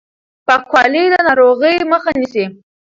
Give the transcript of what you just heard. پاکوالی د ناروغۍ مخه نيسي.